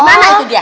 gimana itu dia